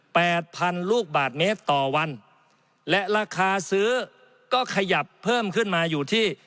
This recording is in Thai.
พันลูกบาทเมตรต่อวันและราคาซื้อก็ขยับเพิ่มขึ้นมาอยู่ที่